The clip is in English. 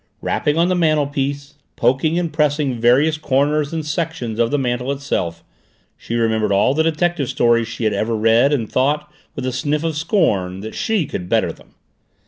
Rapping on the mantelpiece, poking and pressing various corners and sections of the mantel itself, she remembered all the detective stories she had ever read and thought, with a sniff of scorn, that she could better them.